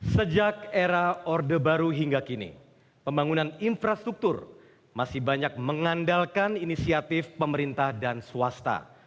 sejak era orde baru hingga kini pembangunan infrastruktur masih banyak mengandalkan inisiatif pemerintah dan swasta